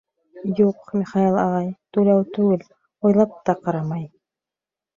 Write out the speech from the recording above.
— Юҡ, Михаил ағай, түләү түгел, уйлап та ҡарамай.